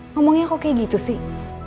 ngomongnya kok kayak gitu sih